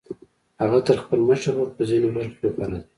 هغه تر خپل مشر ورور په ځينو برخو کې غوره دی.